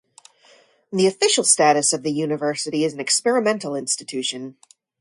The official status of the university is an experimental institution.